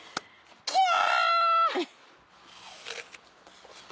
キャ！